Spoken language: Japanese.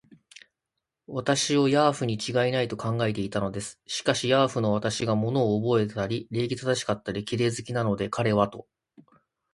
私をヤーフにちがいない、と考えていたのです。しかし、ヤーフの私が物をおぼえたり、礼儀正しかったり、綺麗好きなので、彼はとても驚いたらしいのです。